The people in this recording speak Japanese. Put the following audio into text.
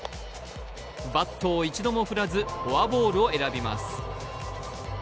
バットを一度も振らずフォアボールを選びます。